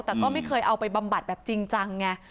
แต่ก็ไม่เคยเอาไปบำบัดแบบจริงจังไง